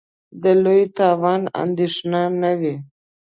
د لوی تاوان اندېښنه نه وي.